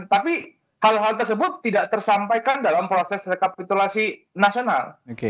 tapi hal hal tersebut tidak tersampaikan dalam proses rekapitulasi nasional